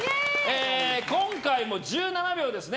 今回も１７秒ですね。